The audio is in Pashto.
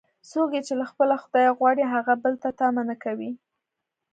څوک یې چې له خپله خدایه غواړي، هغه بل ته طمعه نه کوي.